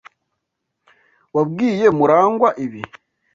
Wabwiye Murangwa ibi?